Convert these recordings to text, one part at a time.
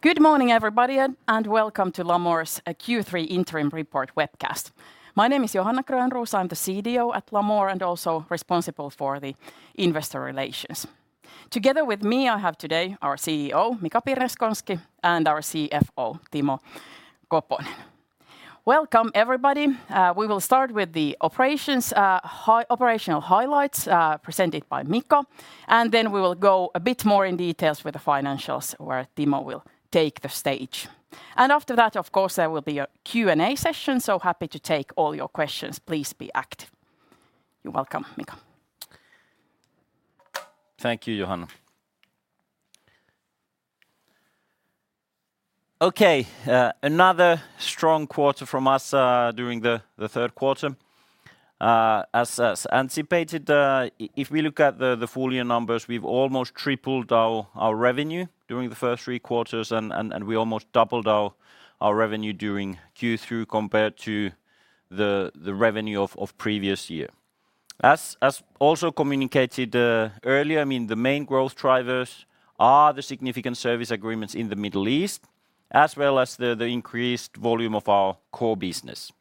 Good morning, everybody, and welcome to Lamor's Q3 interim report webcast. My name is Johanna Grönroos. I'm the CDO at Lamor and also responsible for the investor relations. Together with me, I have today our CEO, Mika Pirneskoski, and our CFO, Timo Koponen. Welcome, everybody. We will start with the operations, operational highlights, presented by Mika, and then we will go a bit more in details with the financials where Timo will take the stage. After that, of course, there will be a Q&A session. Happy to take all your questions. Please be active. You're welcome, Mika. Thank you, Johanna. Okay. Another strong quarter from us during the third quarter as anticipated. If we look at the full year numbers, we've almost tripled our revenue during the first three quarters and we almost doubled our revenue during Q3 compared to the revenue of previous year. As also communicated earlier, I mean, the main growth drivers are the significant service agreements in the Middle East as well as the increased volume of our core business.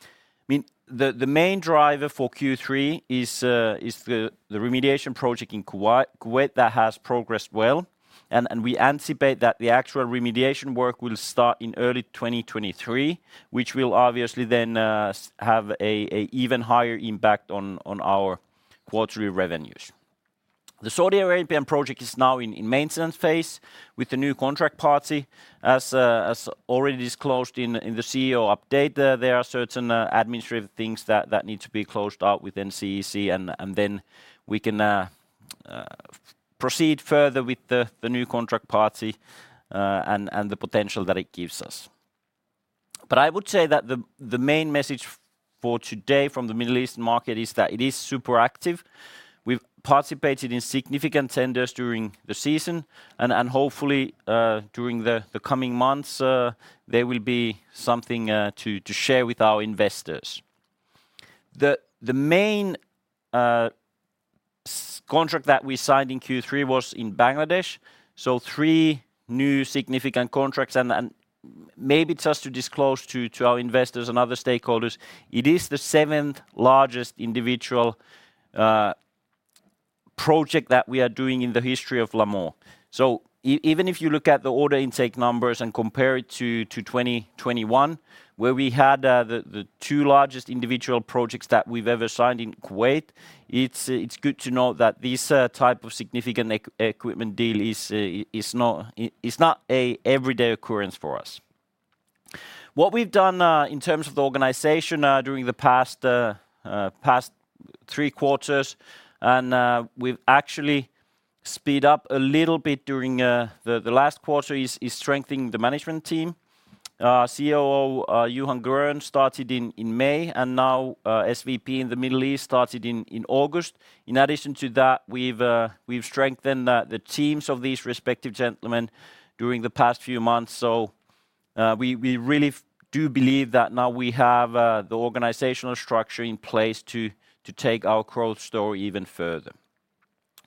I mean, the main driver for Q3 is the remediation project in Kuwait that has progressed well, and we anticipate that the actual remediation work will start in early 2023, which will obviously then have an even higher impact on our quarterly revenues. The Saudi Arabian project is now in maintenance phase with the new contract party. As already disclosed in the CEO update, there are certain administrative things that need to be closed out within CEC and then we can proceed further with the new contract party and the potential that it gives us. I would say that the main message for today from the Middle East market is that it is super active. We've participated in significant tenders during the season and hopefully during the coming months there will be something to share with our investors. The main significant contract that we signed in Q3 was in Bangladesh, three new significant contracts and maybe just to disclose to our investors and other stakeholders, it is the seventh-largest individual project that we are doing in the history of Lamor. Even if you look at the order intake numbers and compare it to 2021, where we had the two largest individual projects that we've ever signed in Kuwait, it's good to know that this type of significant equipment deal is not an everyday occurrence for us. What we've done in terms of the organization during the past three quarters and we've actually sped up a little bit during the last quarter is strengthening the management team. COO Johan Grön started in May, and now SVP in the Middle East started in August. In addition to that, we've strengthened the teams of these respective gentlemen during the past few months. We really do believe that now we have the organizational structure in place to take our growth story even further.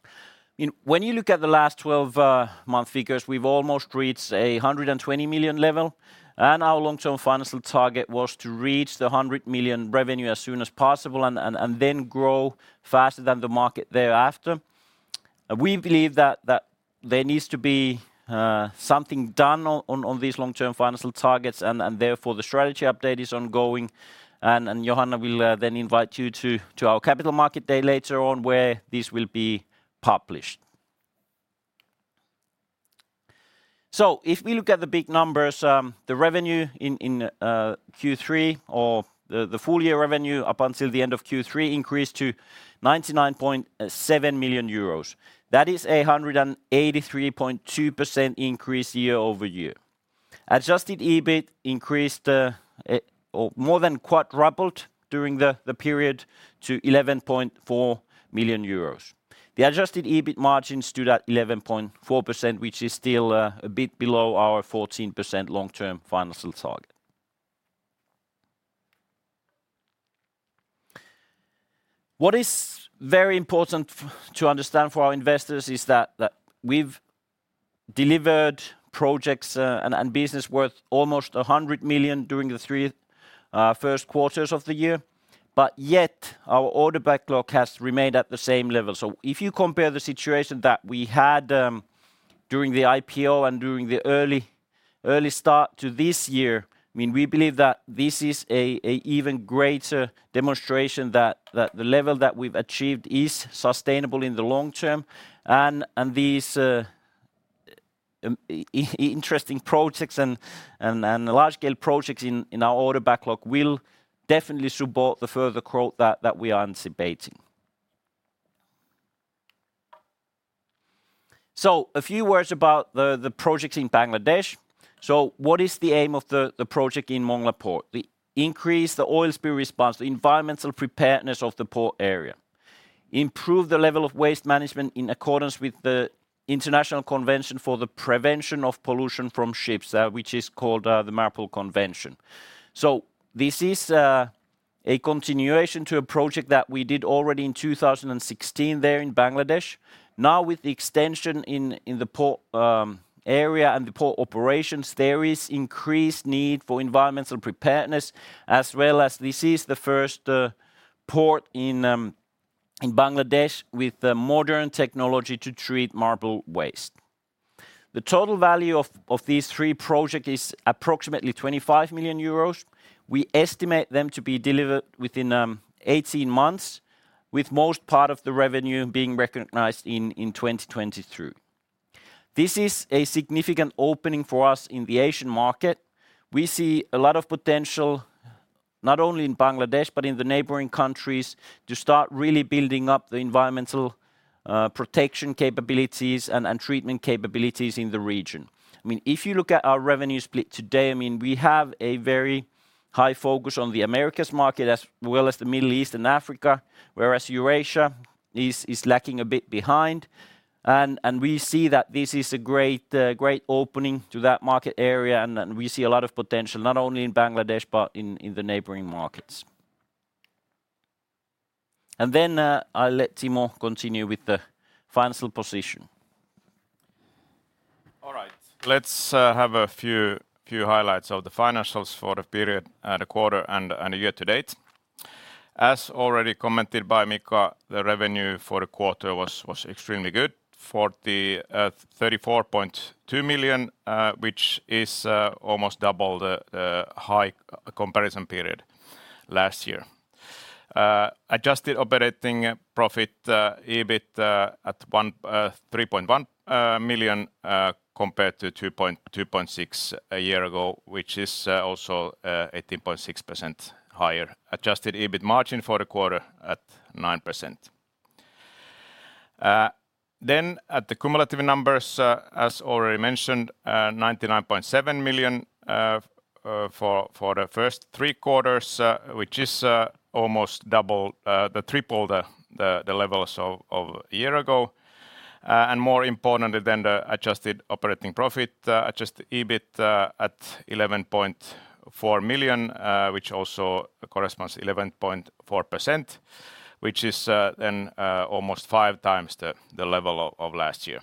I mean, when you look at the last 12-month figures, we've almost reached 120 million level, and our long-term financial target was to reach 100 million revenue as soon as possible and then grow faster than the market thereafter. We believe that there needs to be something done on these long-term financial targets and therefore the strategy update is ongoing and Johanna will then invite you to our Capital Markets Day later on where this will be published. If we look at the big numbers, the revenue in Q3 or the full year revenue up until the end of Q3 increased to 99.7 million euros. That is a 183.2% increase year-over-year. Adjusted EBIT increased or more than quadrupled during the period to 11.4 million euros. The adjusted EBIT margins stood at 11.4%, which is still a bit below our 14% long-term financial target. What is very important to understand for our investors is that we've delivered projects and business worth almost 100 million during the first three quarters of the year, but yet our order backlog has remained at the same level. If you compare the situation that we had during the IPO and during the early start to this year, I mean, we believe that this is an even greater demonstration that the level that we've achieved is sustainable in the long term and these interesting projects and large scale projects in our order backlog will definitely support the further growth that we are anticipating. A few words about the projects in Bangladesh. What is the aim of the project in Mongla Port? To increase the oil spill response, the environmental preparedness of the port area. Improve the level of waste management in accordance with the International Convention for the Prevention of Pollution from Ships, which is called the MARPOL Convention. This is a continuation to a project that we did already in 2016 there in Bangladesh. Now with the extension in the port area and the port operations, there is increased need for environmental preparedness as well as this is the first port in Bangladesh with the modern technology to treat MARPOL waste. The total value of these three project is approximately 25 million euros. We estimate them to be delivered within 18 months, with most part of the revenue being recognized in 2023. This is a significant opening for us in the Asian market. We see a lot of potential not only in Bangladesh, but in the neighboring countries to start really building up the environmental protection capabilities and treatment capabilities in the region. I mean, if you look at our revenue split today, I mean, we have a very high focus on the Americas market as well as the Middle East and Africa, whereas Eurasia is lacking a bit behind. We see that this is a great opening to that market area, and we see a lot of potential not only in Bangladesh, but in the neighboring markets. I'll let Timo continue with the financial position. All right. Let's have a few highlights of the financials for the period, the quarter and year to date. As already commented by Mika, the revenue for the quarter was extremely good, 34.2 million, which is almost double the corresponding period last year. Adjusted operating profit, EBIT, at 3.1 million, compared to 2.6 a year ago, which is also 18.6% higher. Adjusted EBIT margin for the quarter at 9%. The cumulative numbers, as already mentioned, 99.7 million for the first three quarters, which is almost triple the levels of a year ago. More importantly than the adjusted operating profit, adjusted EBIT at 11.4 million, which also corresponds 11.4%, which is then almost 5x the level of last year.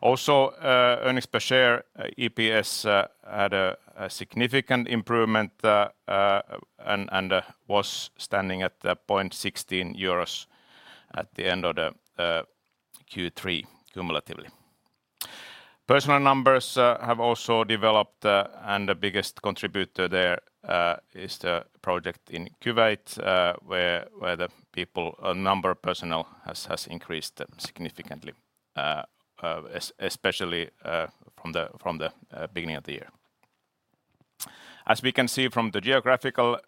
Also, earnings per share, EPS, had a significant improvement and was standing at 0.16 euros at the end of the Q3 cumulatively. Personnel numbers have also developed, and the biggest contributor there is the project in Kuwait, where the personnel number has increased significantly, especially from the beginning of the year. As we can see from the geographical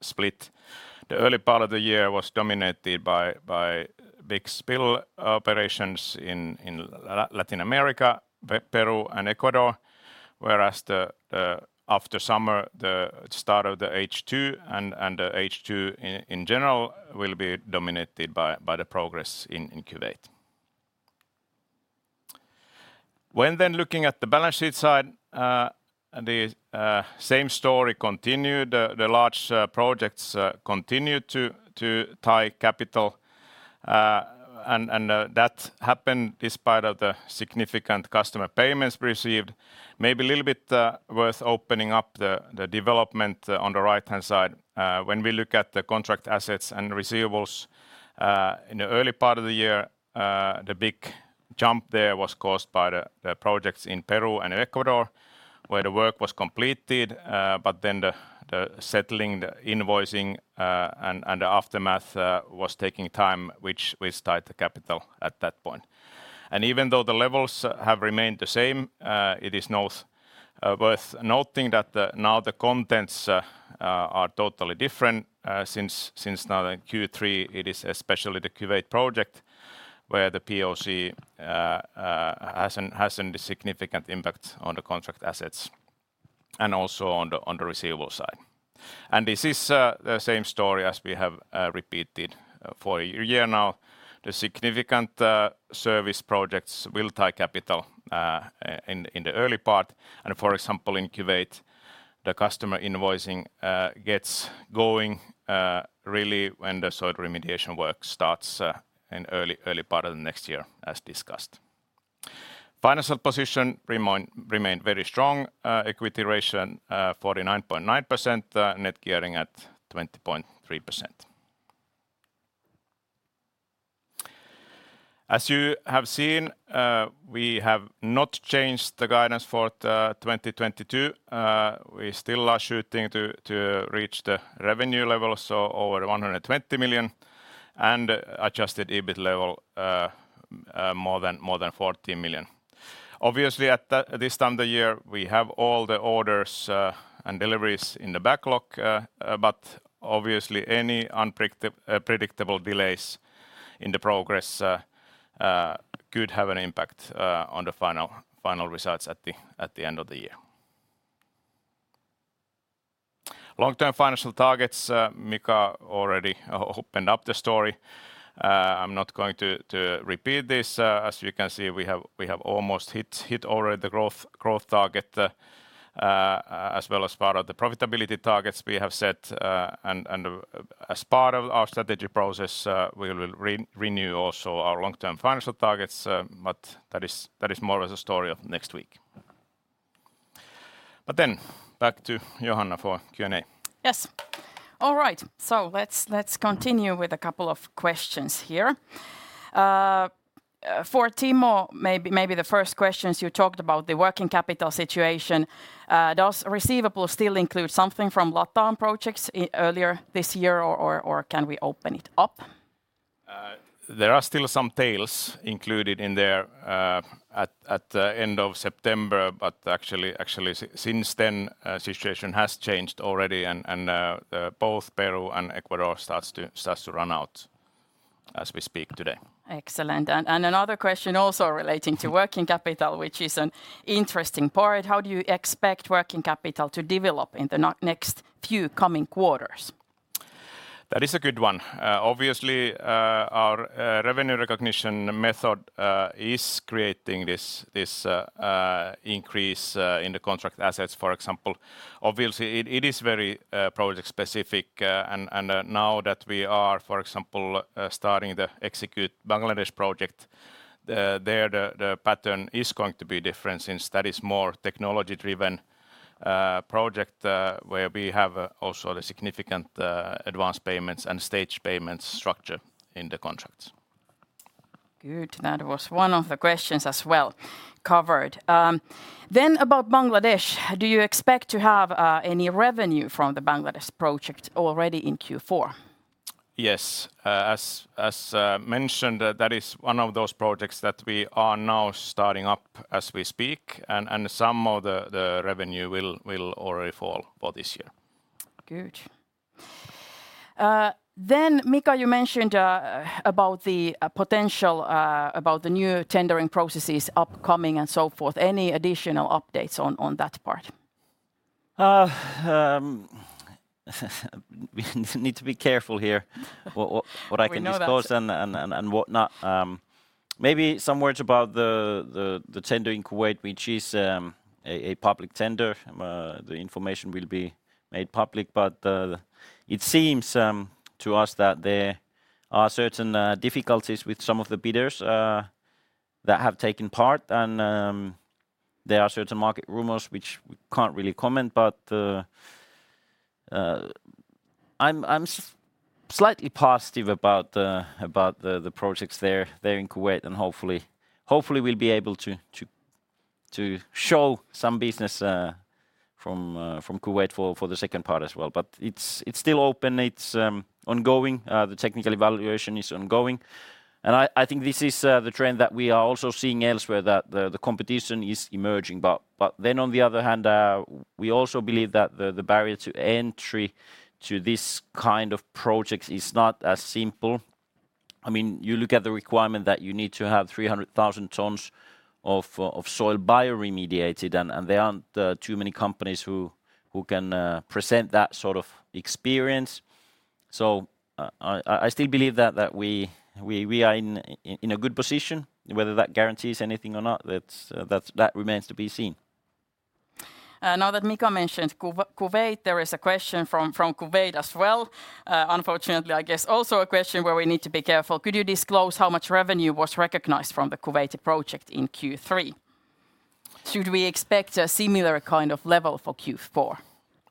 split, the early part of the year was dominated by big spill operations in Latin America, Peru and Ecuador, whereas after summer, the start of the H2 and the H2 in general will be dominated by the progress in Kuwait. When then looking at the balance sheet side, the same story continued. The large projects continued to tie capital, and that happened despite of the significant customer payments received. Maybe a little bit worth opening up the development on the right-hand side. When we look at the contract assets and receivables in the early part of the year, the big jump there was caused by the projects in Peru and Ecuador, where the work was completed, but then the settling, the invoicing, and the aftermath was taking time, which we tied the capital at that point. Even though the levels have remained the same, it is worth noting that now the contents are totally different, since now in Q3, it is especially the Kuwait project, where the POC has a significant impact on the contract assets and also on the receivable side. This is the same story as we have repeated for a year now. The significant service projects will tie capital in the early part. For example, in Kuwait, the customer invoicing gets going really when the soil remediation work starts in early part of next year, as discussed. Financial position remains very strong. Equity ratio 49.9%. Net gearing at 20.3%. As you have seen, we have not changed the guidance for 2022. We still are shooting to reach the revenue level, so over 120 million, and adjusted EBIT level more than 14 million. Obviously, at this time of the year, we have all the orders and deliveries in the backlog, but obviously any unpredictable delays in the progress could have an impact on the final results at the end of the year. Long-term financial targets, Mika already opened up the story. I'm not going to repeat this. As you can see, we have almost hit already the growth target as well as part of the profitability targets we have set. As part of our strategy process, we will renew also our long-term financial targets, but that is more of the story of next week. Back to Johanna for Q&A. Yes. All right. Let's continue with a couple of questions here. For Timo, maybe the first question you talked about the working capital situation. Does receivables still include something from LATAM projects earlier this year or can we open it up? There are still some tails included in there at end of September, but actually since then situation has changed already and both Peru and Ecuador starts to run out as we speak today. Excellent. Another question also relating to working capital which is an interesting part. How do you expect working capital to develop in the next few quarters? That is a good one. Obviously, our revenue recognition method is creating this increase in the contract assets, for example. Obviously, it is very project specific, and now that we are, for example, starting to execute Bangladesh project, there the pattern is going to be different since that is more technology-driven project, where we have also the significant advance payments and stage payments structure in the contracts. Good. That was one of the questions as well covered. About Bangladesh, do you expect to have any revenue from the Bangladesh project already in Q4? Yes. As mentioned, that is one of those projects that we are now starting up as we speak, and some of the revenue will already fall for this year. Good. Mika, you mentioned about the potential about the new tendering processes upcoming and so forth. Any additional updates on that part? We need to be careful here what I can We know that. disclose and what not. Maybe some words about the tender in Kuwait, which is a public tender. The information will be made public, but it seems to us that there are certain difficulties with some of the bidders that have taken part and there are certain market rumors which we can't really comment, but I'm slightly positive about the projects there in Kuwait and hopefully we'll be able to show some business from Kuwait for the second part as well. It's still open. It's ongoing. The technical evaluation is ongoing. I think this is the trend that we are also seeing elsewhere, that the competition is emerging. We also believe that the barrier to entry to this kind of projects is not as simple. I mean, you look at the requirement that you need to have 300,000 tons of soil bioremediation and there aren't too many companies who can present that sort of experience, so I still believe that we are in a good position. Whether that guarantees anything or not, that remains to be seen. Now that Mika mentioned Kuwait, there is a question from Kuwait as well. Unfortunately, I guess, also a question where we need to be careful. Could you disclose how much revenue was recognized from the Kuwaiti project in Q3? Should we expect a similar kind of level for Q4,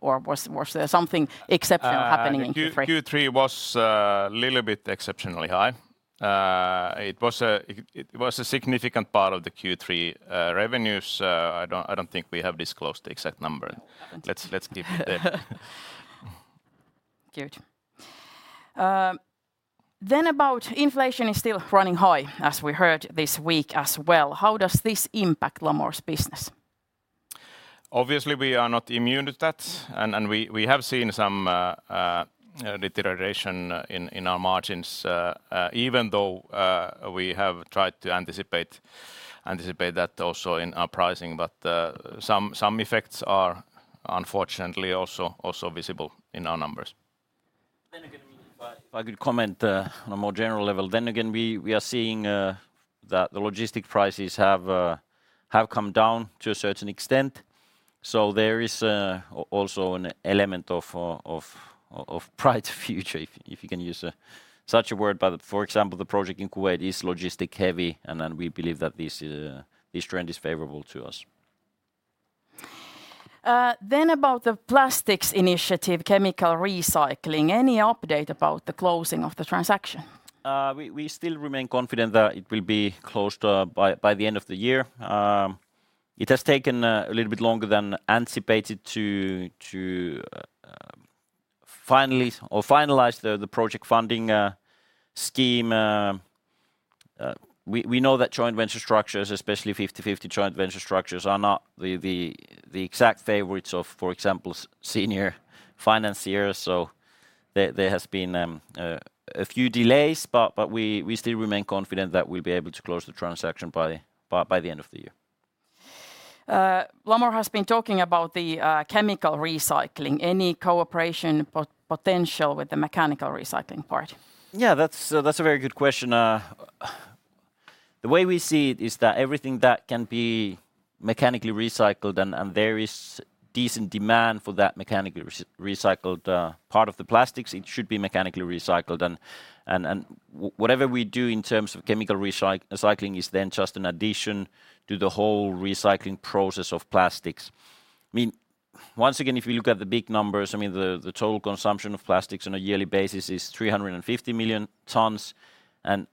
or was there something exceptional happening in Q3? In Q3 was a little bit exceptionally high. It was a significant part of the Q3 revenues. I don't think we have disclosed the exact number. No, we haven't. Let's keep it there. Good. About inflation is still running high as we heard this week as well. How does this impact Lamor's business? Obviously, we are not immune to that. We have seen some deterioration in our margins, even though we have tried to anticipate that also in our pricing. Some effects are, unfortunately, also visible in our numbers. If I could comment on a more general level. We are seeing that the logistics prices have come down to a certain extent, so there is also an element of bright future, if you can use such a word. For example, the project in Kuwait is logistics heavy, and then we believe that this trend is favorable to us. About the plastics initiative, chemical recycling, any update about the closing of the transaction? We still remain confident that it will be closed by the end of the year. It has taken a little bit longer than anticipated to finalize the project funding scheme. We know that joint venture structures, especially 50/50 joint venture structures are not the exact favorites of, for example, senior financiers, so there has been a few delays, but we still remain confident that we'll be able to close the transaction by the end of the year. Lamor has been talking about the chemical recycling. Any cooperation potential with the mechanical recycling part? Yeah, that's a very good question. The way we see it is that everything that can be mechanically recycled and there is decent demand for that mechanically recycled part of the plastics, it should be mechanically recycled. Whatever we do in terms of chemical recycling is then just an addition to the whole recycling process of plastics. I mean, once again, if you look at the big numbers, I mean, the total consumption of plastics on a yearly basis is 350 million tons, and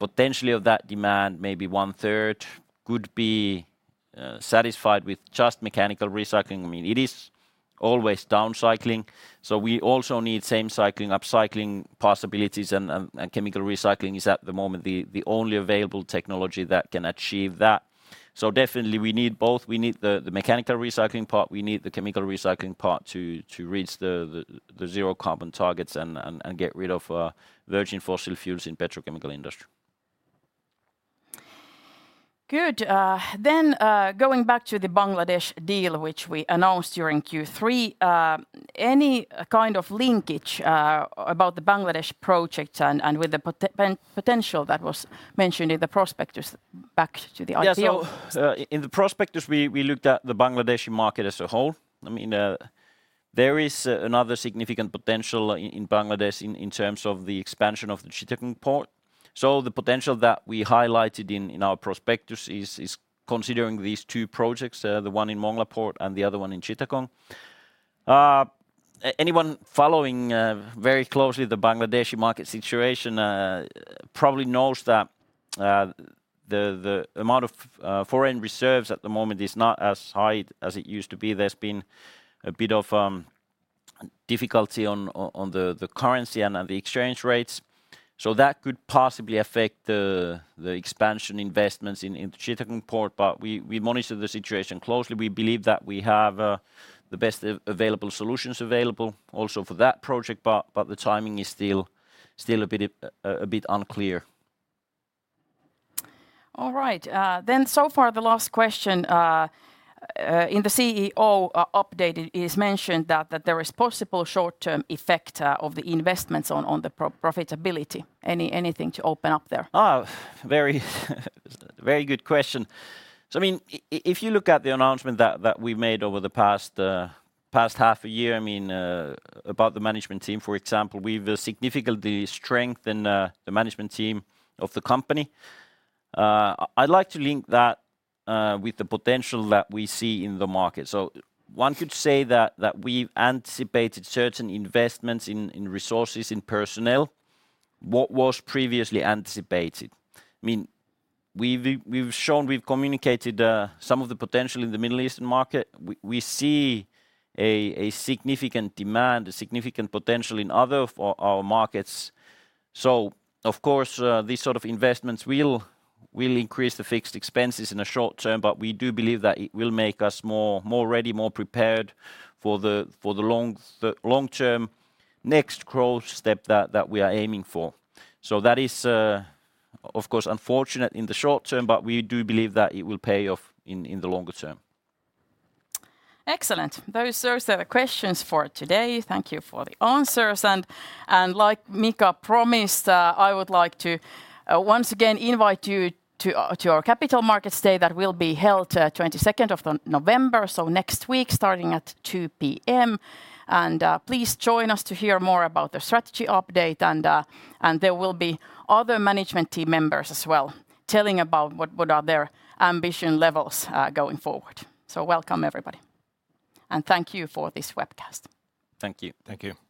potentially of that demand, maybe one-third could be satisfied with just mechanical recycling. I mean, it is always downcycling, so we also need samecycling, upcycling possibilities and chemical recycling is at the moment the only available technology that can achieve that. Definitely we need both. We need the mechanical recycling part, we need the chemical recycling part to reach the zero carbon targets and get rid of virgin fossil fuels in petrochemical industry. Good. Going back to the Bangladesh deal which we announced during Q3, any kind of linkage about the Bangladesh project and with the potential that was mentioned in the prospectus, back to the IPO? Yeah. In the prospectus we looked at the Bangladeshi market as a whole. I mean, there is another significant potential in Bangladesh in terms of the expansion of the Chittagong Port. The potential that we highlighted in our prospectus is considering these two projects, the one in Mongla Port and the other one in Chittagong. Anyone following very closely the Bangladeshi market situation probably knows that the amount of foreign reserves at the moment is not as high as it used to be. There's been a bit of difficulty on the currency and on the exchange rates, so that could possibly affect the expansion investments in Chittagong Port. We monitor the situation closely. We believe that we have the best available solutions available also for that project, but the timing is still a bit unclear. All right. So far the last question in the CEO update, it is mentioned that there is possible short-term effect of the investments on profitability. Anything to open up there? Oh, very very good question. I mean, if you look at the announcement that we made over the past half a year, I mean, about the management team, for example, we've significantly strengthened the management team of the company. I'd like to link that with the potential that we see in the market. One could say that we've anticipated certain investments in resources, in personnel, what was previously anticipated. I mean, we've shown, we've communicated some of the potential in the Middle Eastern market. We see a significant demand, a significant potential in other of our markets. Of course, these sort of investments will increase the fixed expenses in the short term, but we do believe that it will make us more ready, more prepared for the long term next growth step that we are aiming for. That is, of course, unfortunate in the short term, but we do believe that it will pay off in the longer term. Excellent. Those are the questions for today. Thank you for the answers. Like Mika promised, I would like to once again invite you to our Capital Markets Day that will be held November 22, 2022, so next week starting at 2:00 P.M. Please join us to hear more about the strategy update and there will be other management team members as well telling about what are their ambition levels going forward. Welcome everybody, and thank you for this webcast. Thank you. Thank you.